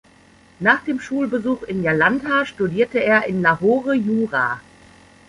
Nach dem Schulbesuch in Jalandhar studierte er in Lahore Jura.